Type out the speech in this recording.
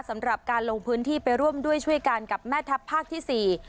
สำหรับการลงพื้นที่ไปร่วมด้วยช่วยกันกับแม่ทัพภาคที่สี่